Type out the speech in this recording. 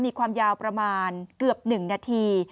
มีความยาวประมาณเกือบ๑นาที